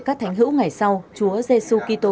các thánh hữu ngày sau chúa giê xu kỳ tô